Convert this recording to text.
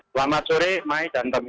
selamat sore mai dan tommy